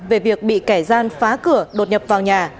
về việc bị kẻ gian phá cửa đột nhập vào nhà